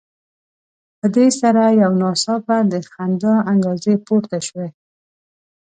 په دې سره یو ناڅاپه د خندا انګازې پورته شوې.